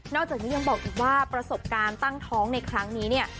จากนี้ยังบอกอีกว่าประสบการณ์ตั้งท้องในครั้งนี้เนี่ย